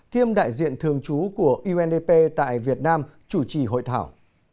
kiêm đại diện thường trú của undp tại việt nam chủ trì hội thảo